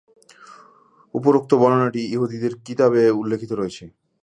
উপরোক্ত বর্ণনাটি ইহুদীদের কিতাবে উল্লেখিত রয়েছে।